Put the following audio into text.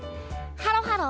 ハロハロー！